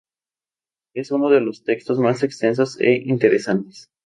Es uno de los textos más extensos e interesantes.